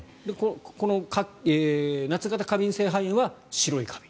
この夏型過敏性肺炎は白いカビ。